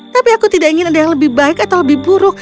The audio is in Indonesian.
tapi aku tidak ingin ada yang lebih baik atau lebih buruk